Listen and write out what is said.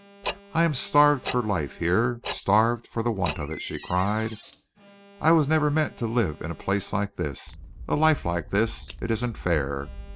"I am starved for life here, starved for the want of it," she cried. "I was never meant to live in a place like this a life like this! It isn't fair.